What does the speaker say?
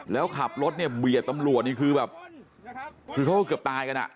แล้วขับรถเนี่ยเบียดตำรวจนี่คือแบบคือเขาก็เกือบตายกันอ่ะ